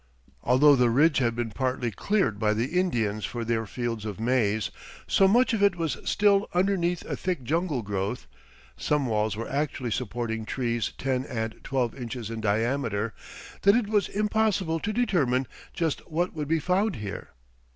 Although the ridge had been partly cleared by the Indians for their fields of maize, so much of it was still underneath a thick jungle growth some walls were actually supporting trees ten and twelve inches in diameter that it was impossible to determine just what would be found here.